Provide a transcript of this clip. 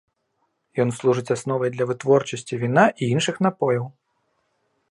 Ён служыць асновай для вытворчасці віна і іншых напояў.